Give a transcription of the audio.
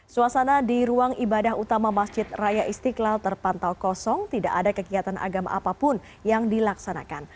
suasana di ruang ibadah utama masjid raya istiqlal terpantau kosong tidak ada kegiatan agama apapun yang dilaksanakan